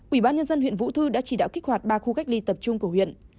ủy ban nhân dân huyện vũ thư đã chỉ đạo kích hoạt ba khu cách ly tập trung của huyện